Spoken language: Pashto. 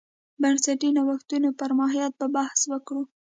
بنسټي نوښتونو پر ماهیت به بحث وکړو.